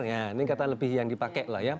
ini kata lebih yang dipakai lah ya